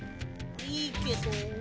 いいけど。